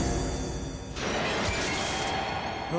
何？